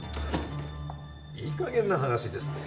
いいかげんな話ですね。